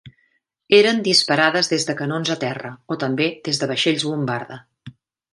Eren disparades des de canons a terra o també des dels vaixells bombarda.